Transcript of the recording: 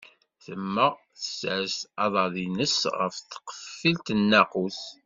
Temmeɣ, tessers aḍad-ines ɣef tqeffilt n nnaqus.